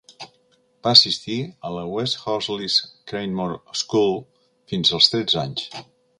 Va assistir a la West Horsley's Cranmore School fins als treze anys.